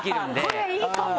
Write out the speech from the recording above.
これいいかも！